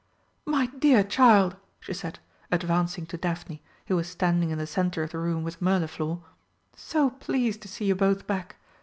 "My dear child!" she said, advancing to Daphne, who was standing in the centre of the room with Mirliflor, "so pleased to see you both back!